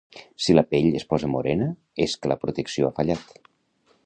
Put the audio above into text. Si la pell es posa morena és que la protecció ha fallat